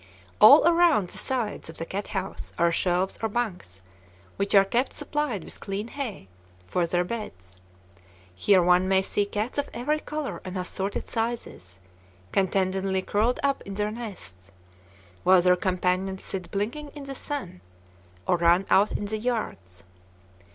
All around the sides of the cat house are shelves or bunks, which are kept supplied with clean hay, for their beds. Here one may see cats of every color and assorted sizes, contentedly curled up in their nests, while their companions sit blinking in the sun, or run out in the yards.